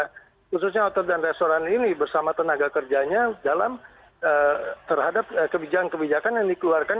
khususnya otot dan restoran ini bersama tenaga kerjanya dalam terhadap kebijakan kebijakan yang dikeluarkan